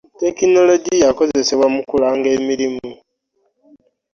tekinologiya akozesebwa mu kulaanga emirimu.